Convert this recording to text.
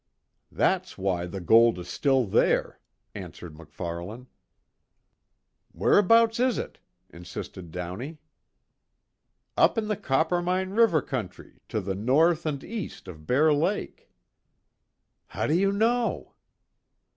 "That's why the gold is still there," answered MacFarlane. "Where 'bouts is it?" insisted Downey. "Up in the Coppermine River country, to the north and east of Bear Lake." "How do you know?"